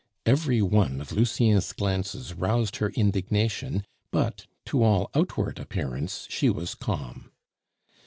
Every one of Lucien's glances roused her indignation, but to all outward appearance she was calm.